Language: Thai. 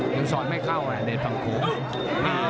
ยังสอนไม่เข้าแหละเดทฟังโค้ง